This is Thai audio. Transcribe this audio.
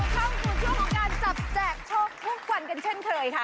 เข้าสู่ช่วงของการจับแจกโชคทุกวันกันเช่นเคยค่ะ